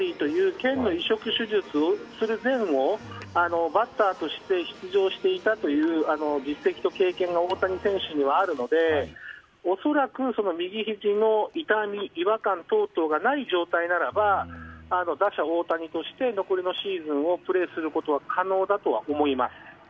トミー・ジョンという腱の移植手術をした件でバッターとして出場していたという実績と経験が大谷選手にはあるので恐らく右ひじの痛み、違和感等々がない状態ならば打者・大谷として残りのシーズンをプレーすることは可能だと思います。